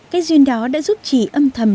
cái duyên đó đã giúp chị âm thầm